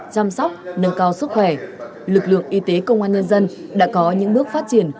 chăm sóc nâng cao sức khỏe lực lượng y tế công an nhân dân đã có những bước phát triển